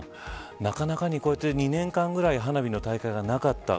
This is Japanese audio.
なかなか２年間ぐらい花火の大会がなかった。